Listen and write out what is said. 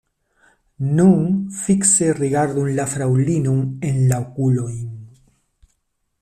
Nun fikse rigardu la fraŭlinon en la okulojn.